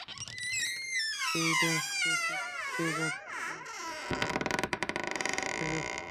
কেইডেন্সকে চুদতে যাচ্ছি কেইডেন্স কে চুদতে যাচ্ছি।